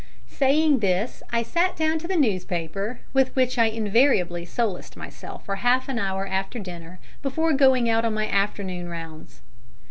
Saying this, I sat down to the newspaper with which I invariably solaced myself for half an hour after dinner, before going out on my afternoon rounds.